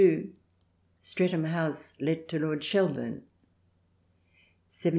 Streatham house let to Lord Shelburne.